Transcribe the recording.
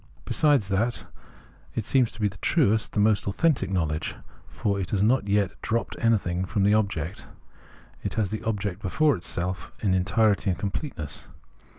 Besides that, it seems to be the truest, the most authentic knowledge : for it has not as yet dropped anything from the object ; it has the object before itself in its entirety and completeness.